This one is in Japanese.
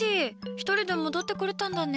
１人で戻ってこれたんだね。